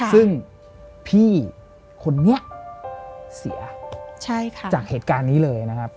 ซึ่งพี่คนนี้เสียจากเหตุการณ์นี้เลยนะครับ